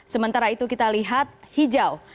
sementara itu kita lihat hijau